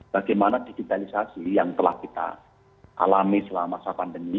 bagaimana digitalisasi yang telah kita alami selama masa pandemi